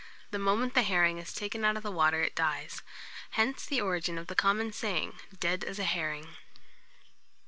The moment the herring is taken out of the water it dies. Hence the origin of the common saying, "dead as a herring."